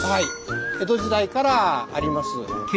江戸時代からあります。